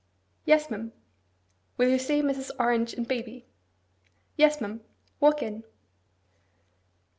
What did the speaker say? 'Yes, ma'am.' 'Will you say Mrs. Orange and baby?' 'Yes, ma'am. Walk in.